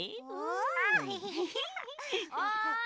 ・おい！